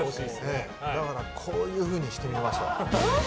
だからこういうふうにしてみました。